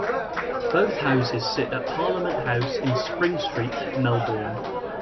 Both houses sit at Parliament House in Spring Street, Melbourne.